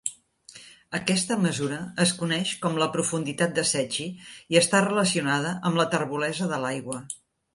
Aquesta mesura es coneix com la profunditat de Secchi i està relacionada amb la terbolesa de l'aigua.